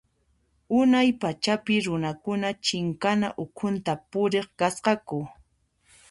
Unay pachapi runakuna chinkana ukhunta puriq kasqaku.